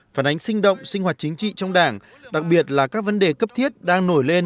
phản ánh sinh động sinh hoạt chính trị trong đảng đặc biệt là các vấn đề cấp thiết đang nổi lên